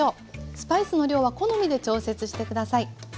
スパイスの量は好みで調節して下さい。